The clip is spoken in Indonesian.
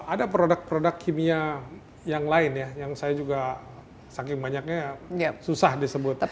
ada produk produk kimia yang lain ya yang saya juga saking banyaknya susah disebut